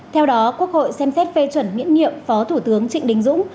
theo đó quốc hội xem xét phê chuẩn miễn nhiệm phó thủ tướng trịnh đình dũng